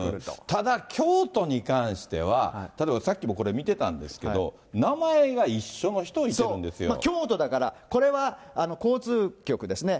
ただ、京都に関しては、ただ、さっきもこれ、見てたんですけど、京都だから、これは交通局ですね。